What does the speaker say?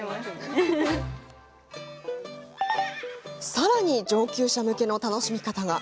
さらに、上級者向けの楽しみ方が。